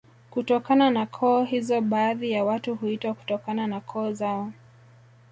Kutokana na koo hizo baadhi ya watu huitwa kutokana na koo zao